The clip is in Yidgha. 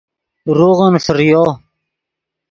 روغون فریو